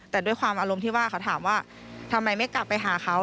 แต่ด้วยความอารมณ์ที่ว่าเขาถามว่าทำไมไม่กลับไปหาเขา